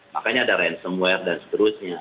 makanya ada ransomware dan seterusnya